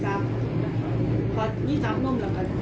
จบเขาเป็นใครมา